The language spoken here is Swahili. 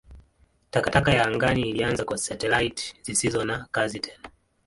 Takataka ya angani ilianza kwa satelaiti zisizo na kazi tena.